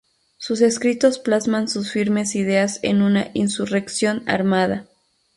Sus escritos plasman sus firmes ideas en una insurrección armada.